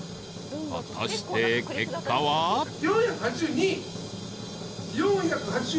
［果たして結果は］４８２。